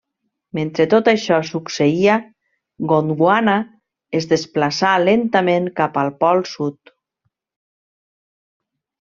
Mentre tot això succeïa, Gondwana es desplaçà lentament cap al pol sud.